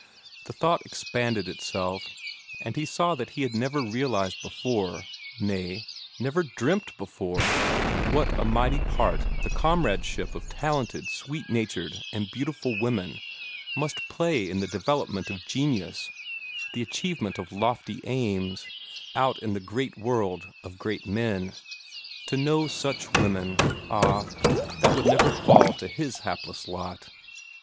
The thought expanded itself, and he saw that he had never realized before nay, never dreamt before what a mighty part the comradeship of talented, sweet natured and beautiful women must play in the development of genius, the achievement of lofty aims, out in the great world of great men. To know such women ah, that would never fall to his hapless lot.